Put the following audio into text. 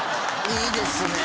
いいですね。